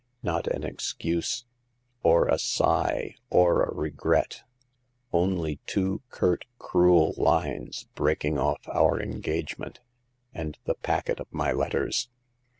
Not an excuse, or a sigh, or a regret. Only two curt, cruel lines, breaking off our engagement, and the packet of my letters.